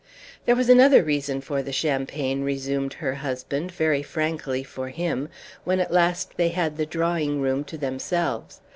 "There was another reason for the champagne," resumed her husband, very frankly for him, when at last they had the drawing room to themselves.